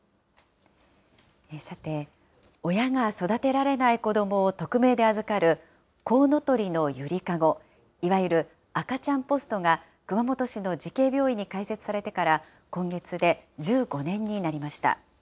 さて、親が育てられない子どもを匿名で預かる、こうのとりのゆりかご、いわゆる赤ちゃんポストが熊本市の慈恵病院に開設されてから今月で１５年になりました。